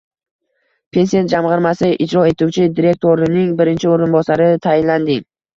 Pensiya jamg‘armasi ijro etuvchi direktorining birinchi o‘rinbosari tayinlanding